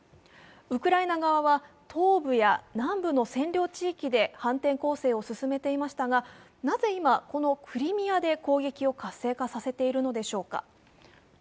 ウクライナ側は東部や南部の占領地域で反転攻勢を進めていましたが、なぜ今、このクリミアで攻撃を活性化させているのでしょうか。